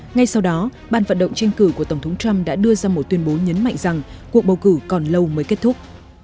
ngay sau đó ban vận động tranh cử của tổng thống trump đã đưa ra một tuyên bố nhấn mạnh rằng cuộc bầu cử còn lâu mới kết thúc